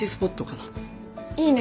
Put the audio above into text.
いいね。